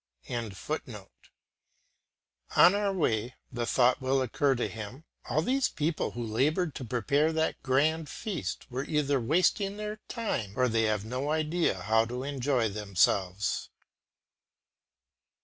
] On our way, the thought will occur to him, "All those people who laboured to prepare that grand feast were either wasting their time or they have no idea how to enjoy themselves."